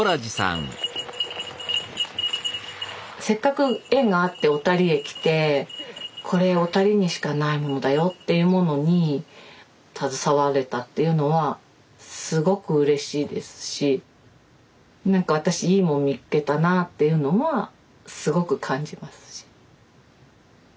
せっかく縁があって小谷へ来て「これ小谷にしかないものだよ」っていうものに携われたっていうのはすごくうれしいですし何か私いいもん見っけたなっていうのはすごく感じますし。